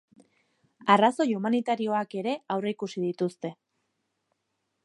Arrazoi humanitarioak ere aurreikusi dituzte.